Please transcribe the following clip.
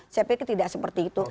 saya pikir tidak seperti itu